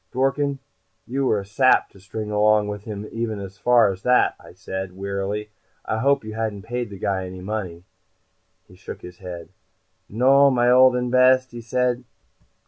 "Dworken, you were a sap to string along with him even that far," I said wearily. "I hope you hadn't paid the guy any money." He shook his head. "No, my old and best," he said.